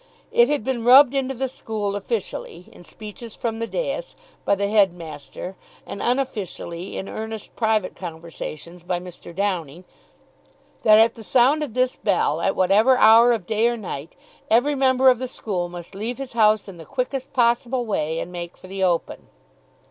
It had been rubbed into the school officially in speeches from the daïs by the headmaster, and unofficially in earnest private conversations by Mr. Downing, that at the sound of this bell, at whatever hour of day or night, every member of the school must leave his house in the quickest possible way, and make for the open.